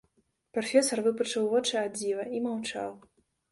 Прафесар выпучыў вочы ад дзіва і маўчаў.